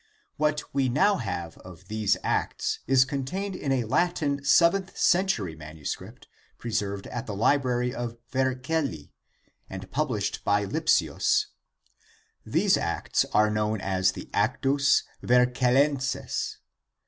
What we now have of these Acts is contained in a 50 ACTS OF PETER 51 Latin seventh century manuscript preserved at the Library in VercelH, and published by Lipsius, i, pp. 5 i03 These Acts are known as the Actus Vercellenses.